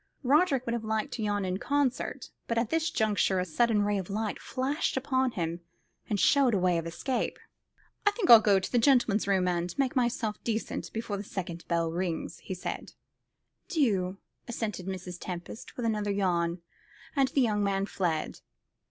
Roderick would have liked to yawn in concert, but at this juncture a sudden ray of light flashed upon him and showed him a way of escape. "I think I'll go to the gentleman's room, and make myself decent before the second bell rings," he said. "Do," assented Mrs. Tempest, with another yawn; and the young man fled.